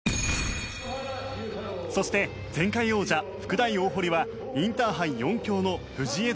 そして、前回王者・福大大濠はインターハイ４強の藤枝